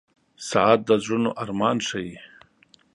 • ساعت د زړونو ارمان ښيي.